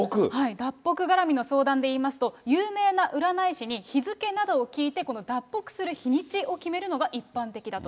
脱北絡みの相談でいいますと、有名な占い師に日付などを聞いて、脱北する日にちを決めるのが一般的だと。